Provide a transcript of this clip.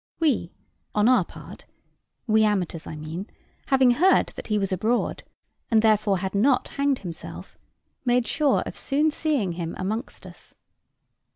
We, on our part we amateurs, I mean having heard that he was abroad, and therefore had not hanged himself, made sure of soon seeing him amongst us.